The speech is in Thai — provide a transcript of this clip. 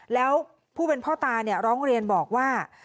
แล้วผู้เป็นพ่อตาร้องเรียนบอกว่า